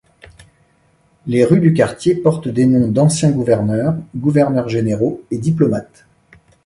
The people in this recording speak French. Les rues du quartier portent des noms d'anciens gouverneurs, gouverneurs-généraux et diplomates.